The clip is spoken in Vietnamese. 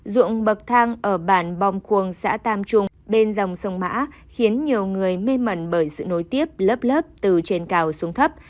ruộng bậc thang ở bản bong cuồng xã tam trung bên dòng sông mã khiến nhiều người mê mẩn bởi sự nối tiếp lớp lớp từ trên cao xuống thấp